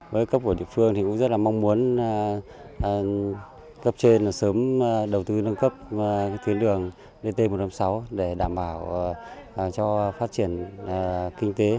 với cấp của địa phương thì cũng rất là mong muốn cấp trên sớm đầu tư nâng cấp tuyến đường dt một trăm năm mươi sáu để đảm bảo cho phát triển kinh tế